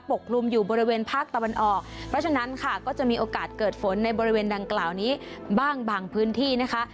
กลุ่มอยู่บริเวณภาคตะวันออกเพราะฉะนั้นค่ะก็จะมีโอกาสเกิดฝนในบริเวณดังกล่าวนี้บ้างบางพื้นที่นะคะ